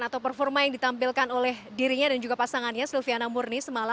atau performa yang ditampilkan oleh dirinya dan juga pasangannya silviana murni